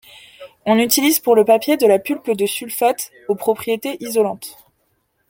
On utilise pour le papier de la pulpe de sulfate aux propriétés isolantes.